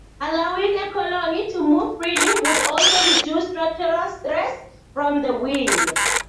Allowing a colony to move freely would also reduce structural stress from the wind.